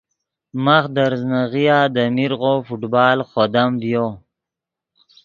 ماخ دے ریزناغیا دے میرغو فٹبال خودم ڤیو